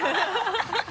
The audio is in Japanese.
ハハハ